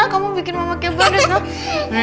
kamu bikin mama kayak badut loh